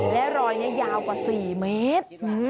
และรอยนี้ยาวกว่า๔เมตร